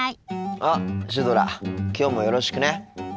あっシュドラきょうもよろしくね。